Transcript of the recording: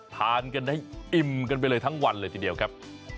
ทานกันได้อิ่มกันไปเลยทั้งวันเลยทีเดียวครับ